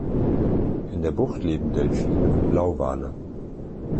In der Bucht leben Delphine und Blauwale.